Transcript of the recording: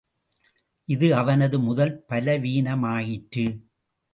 இது அவனது முதல் பலவீனமாயிற்று.